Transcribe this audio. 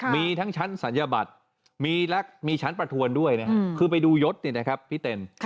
มีทั้งชั้นศัลยบัตรมีชั้นประทวนด้วยนะคือไปดูยศเนี่ยนะครับพี่เต้น